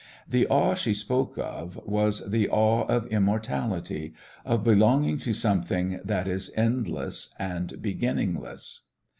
The awe she spoke of was the awe of immortality, of belonging to something that is endless and beginningless.